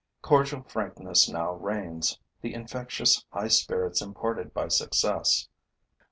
Cordial frankness now reigns, the infectious high spirits imparted by success.